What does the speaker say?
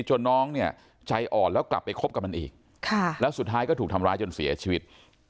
น้องเนี่ยใจอ่อนแล้วกลับไปคบกับมันอีกแล้วสุดท้ายก็ถูกทำร้ายจนเสียชีวิต